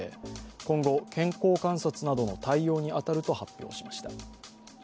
今後、健康観察などの対応に当たると発表しました。